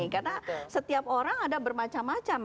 karena setiap orang ada bermacam macam